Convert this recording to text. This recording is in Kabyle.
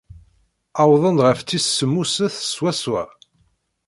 Wwḍen-d ɣef tis semmuset swaswa.